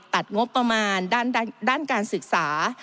ตัดนวบประมาณด้านการศึกษา